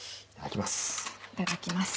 いただきます。